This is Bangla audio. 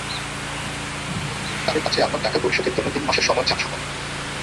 তাঁদের কাছে আমার টাকা পরিশোধের জন্য তিন মাসের সময় চান স্বপন।